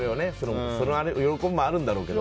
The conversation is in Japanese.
その喜びもあるんだろうけど。